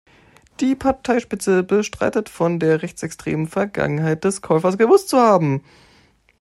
Die Parteispitze bestreitet, von der rechtsextremen Vergangenheit des Käufers gewusst zu haben.